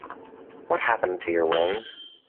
What happened to your wings?